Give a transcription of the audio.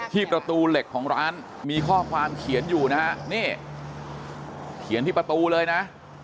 ประตูเหล็กของร้านมีข้อความเขียนอยู่นะฮะนี่เขียนที่ประตูเลยนะ